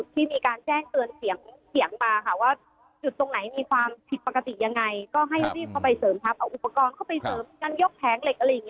ที่มีการแจ้งเตือนเสี่ยงมาว่าจุดตรงไหนมีความผิดปกติยังไง